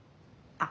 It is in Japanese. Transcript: あっ。